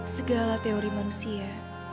segala teori manusia